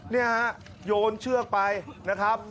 นี่ฮะโยนเชือกไปนะครับ